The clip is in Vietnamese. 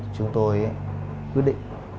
chúng tôi quyết định